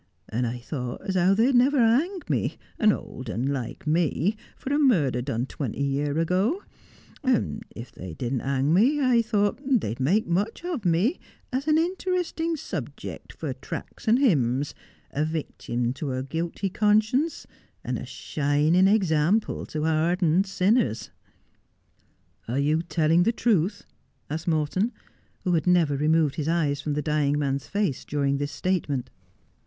And I thought as how they'd never hang me, an old un like me, for a murder done twenty year ago ; and if they didn't hang me I thought they'd make much of me as a interestin' subjick for tracts and hymns, a victim to a guilty conscience, and a shinin' example to hardened sinners.' ' Are you telling the truth ?' asked Morton, who had never removed his eyes from the dying man's face during this state ment.